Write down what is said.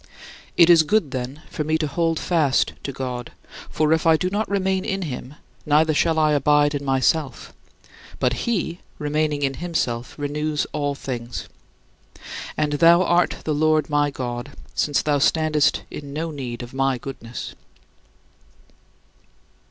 It is good, then, for me to hold fast to God, for if I do not remain in him, neither shall I abide in myself; but he, remaining in himself, renews all things. And thou art the Lord my God, since thou standest in no need of my goodness.